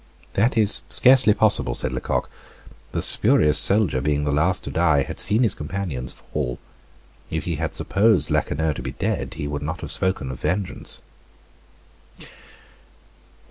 "That is scarcely possible," said Lecoq. "The spurious soldier, being the last to die, had seen his companions fall. If he had supposed Lacheneur to be dead, he would not have spoken of vengeance."